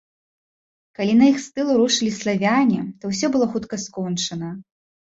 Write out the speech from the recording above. Калі на іх з тылу рушылі славяне, то ўсё было хутка скончана.